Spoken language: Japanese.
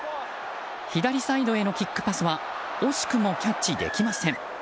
左サイドへのキックパスは惜しくもキャッチできません。